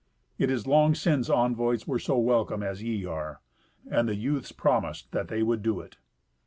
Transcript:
It is long since envoys were so welcome as ye are." And the youths promised that they would do it.